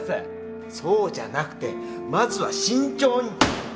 そうじゃなくてまずは慎重に。